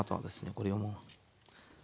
これをもう。